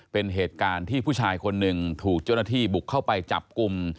เป็นเหตุการณ์ที่ผู้ชายคนหนึ่งถูกเจ้าหน้าที่บุกเข้าไปจับกลุ่ม